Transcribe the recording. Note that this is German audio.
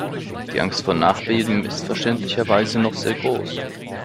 Die Angst vor Nachbeben ist verständlicherweise noch sehr groß.